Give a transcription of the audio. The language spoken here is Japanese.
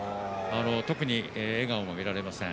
特に笑顔も見られません。